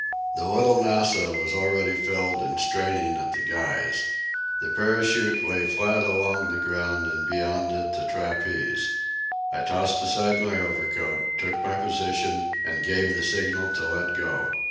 The "Little Nassau" was already filled and straining at the guys. The parachute lay flat along the ground and beyond it the trapeze. I tossed aside my overcoat, took my position, and gave the signal to let go.